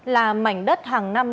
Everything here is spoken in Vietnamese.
là mảnh đất hàng năm